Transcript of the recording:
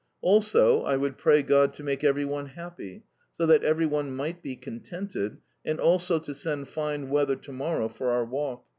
Also, I would pray God to make every one happy, so that every one might be contented, and also to send fine weather to morrow for our walk.